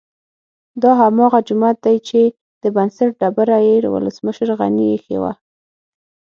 دا هماغه جومات دی چې د بنسټ ډبره یې ولسمشر غني ايښې وه